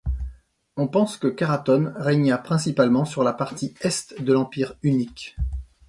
On pense que Karaton régna principalement sur la partie est de l'Empire hunnique.